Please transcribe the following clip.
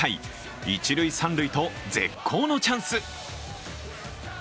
一塁・三塁と絶好のチャンス。